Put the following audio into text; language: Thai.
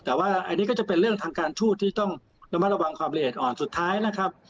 แต่ว่าอันนี้ก็จะเป็นเรื่องทางการทูตที่ต้องระมัดระวังความละเอียดอ่อนสุดท้ายนะครับ